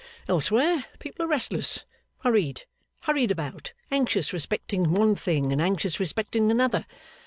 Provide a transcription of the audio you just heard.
Elsewhere, people are restless, worried, hurried about, anxious respecting one thing, anxious respecting another.